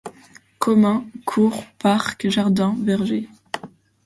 Communs, cours, parc, jardins, vergers.